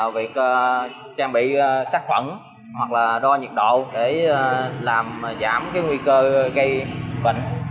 việc trang bị sát khuẩn hoặc là đo nhiệt độ để làm giảm cái nguy cơ gây bệnh